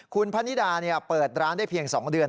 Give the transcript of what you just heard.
คุณพนิดาเปิดร้านได้เพียง๒เดือน